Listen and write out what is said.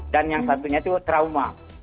dan yang satunya itu trauma